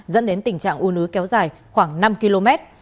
dẫn đến tình trạng ùn ứ kéo dài khoảng năm km